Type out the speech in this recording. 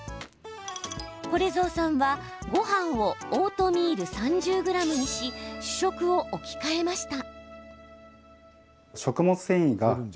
これぞうさんはごはんをオートミール３０ｇにし主食を置き換えました。